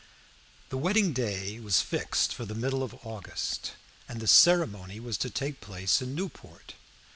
The wedding day was fixed for the middle of August, and the ceremony was to take place in Newport.